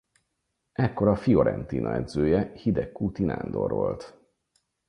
Ekkor a Fiorentina edzője Hidegkuti Nándor volt.